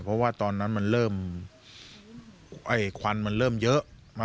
เพราะว่าตอนนั้นมันเริ่มไอ้ควันมันเริ่มเยอะ